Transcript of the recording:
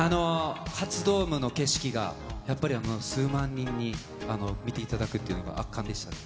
初ドームの景色が、やっぱり数万人に見ていただくっていうのが圧巻でしたね。